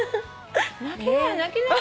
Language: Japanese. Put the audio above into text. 泣きなよ泣きなよ。